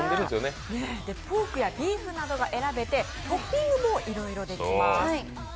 ポークやビーフなどが選べてトッピングもいろいろできます。